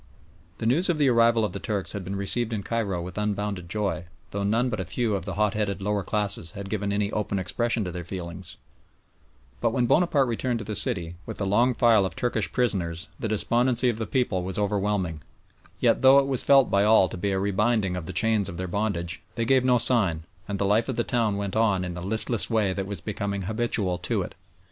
The news of the arrival of the Turks had been received in Cairo with unbounded joy, though none but a few of the hot headed lower classes had given any open expression to their feelings, but when Bonaparte returned to the city with a long file of Turkish prisoners the despondency of the people was overwhelming; yet, though it was felt by all to be a rebinding of the chains of their bondage, they gave no sign, and the life of the town went on in the listless way that was becoming habitual to it.